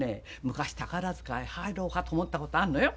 昔宝塚へ入ろうかと思ったことあんのよ